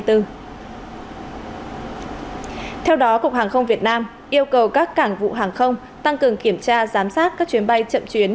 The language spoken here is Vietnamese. theo đó cục hàng không việt nam yêu cầu các cảng vụ hàng không tăng cường kiểm tra giám sát các chuyến bay chậm chuyến